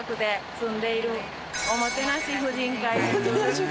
おもてなし婦人会。